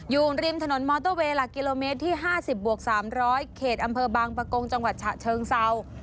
อยู่ริมถนนมอเตอร์เวย์หลักกิโลเมตรที่๕๐บวก๓๐๐เขตอำเภอบางประกงจังหวัดฉะเชิงเซา